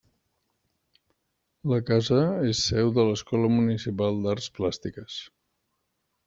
La casa és seu de l'Escola Municipal d'Arts Plàstiques.